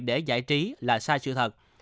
để giải trí là sai sự thật